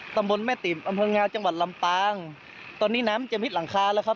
ตำบลแม่ติ๋มอำเภองาวจังหวัดลำปางตอนนี้น้ำจะมิดหลังคาแล้วครับ